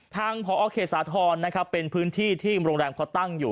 ทางพอเคศาธรณ์เป็นพื้นที่ที่โรงแรมเขาตั้งอยู่